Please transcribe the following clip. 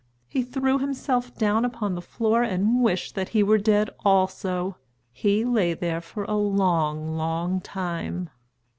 He threw himself down upon the floor and wished that he were dead also. He lay there for a long, long time.